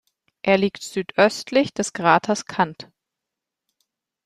Er liegt südöstlich des Kraters Kant.